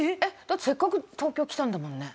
だってせっかく東京来たんだもんね。